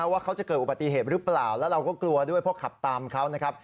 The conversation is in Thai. ว่าเขาจะเกิดอุบัติเหตุหรือเปล่าแล้วเราก็กลัวด้วยเพราะขับตามเขานะครับ